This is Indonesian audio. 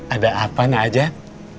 ada apa nak ajak